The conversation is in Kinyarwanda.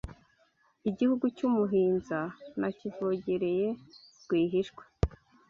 Igihugu cy’umuhinza nakivogereye rwihishwa